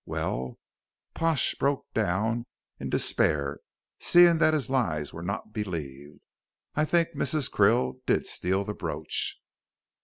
Well," Pash broke down in despair seeing that his lies were not believed, "I think Mrs. Krill did steal the brooch."